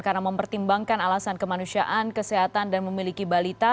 karena mempertimbangkan alasan kemanusiaan kesehatan dan memiliki balita